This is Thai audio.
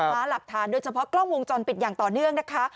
หาหลักฐานโดยเฉพาะกล้องวงจรปิดอย่างต่อเนื่องนะคะ